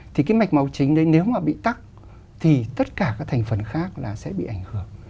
thì cái mạch máu chính đấy nếu mà bị tắc thì tất cả các thành phần khác là sẽ bị ảnh hưởng